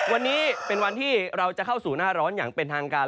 วันนี้เป็นวันที่เราจะเข้าสู่หน้าร้อนอย่างเป็นทางการ